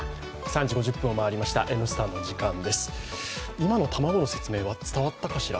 今の卵の説明は伝わったかしら？